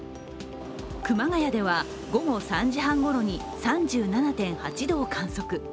熊谷では午後３時半ごろに３７．８度を観測。